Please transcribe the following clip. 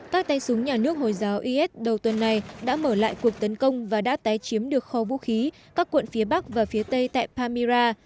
các tay súng nhà nước hồi giáo is đầu tuần này đã mở lại cuộc tấn công và đã tái chiếm được kho vũ khí các quận phía bắc và phía tây tại pamira